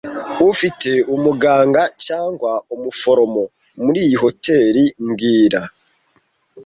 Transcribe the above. Ufite umuganga cyangwa umuforomo muri iyi hoteri mbwira